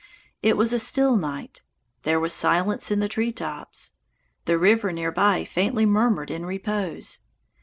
It was a still night. There was silence in the treetops. The river near by faintly murmured in repose.